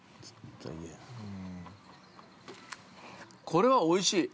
これはおいしい。